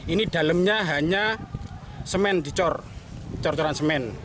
ini dalamnya hanya semen dicor cor coran semen